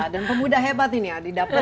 dan pemuda hebat ini ya